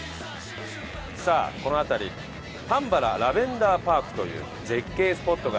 さあこの辺りたんばらラベンダーパークという絶景スポットがございまして。